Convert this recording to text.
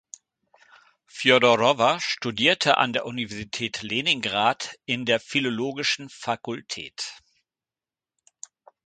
Fjodorowa studierte an der Universität Leningrad in der Philologischen Fakultät.